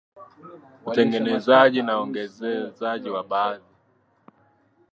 utengenezaji na ongezaji wa baadhi